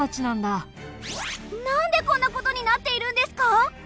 なんでこんな事になっているんですか！？